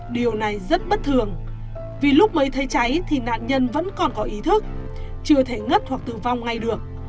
điều này rất bất thường vì lúc mới thấy cháy thì nạn nhân vẫn còn có ý thức chưa thể ngất hoặc tử vong ngay được